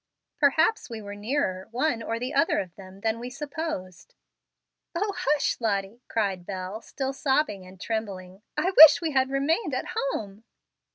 Perhaps we were nearer one or the other of them than we supposed." "O, hush, Lottie!" cried Bel, still sobbing and trembling; "I wish we had remained at home."